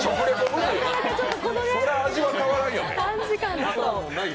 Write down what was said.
そりゃ、味は変わらんよね。